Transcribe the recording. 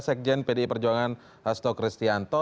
sekjen pdi perjuangan hasto kristianto